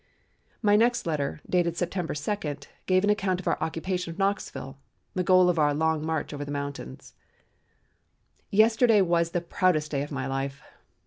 My next letter dated September 2, gave an account of our occupation of Knoxville, the goal of our long march over the mountains: "Yesterday was the proudest day of my life.